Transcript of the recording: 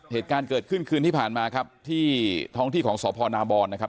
เหตุการณ์เกิดขึ้นคืนที่ผ่านมาครับที่ท้องที่ของสพนาบรนะครับ